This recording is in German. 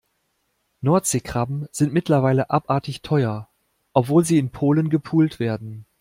Nordseekrabben sind mittlerweile abartig teuer, obwohl sie in Polen gepult werden.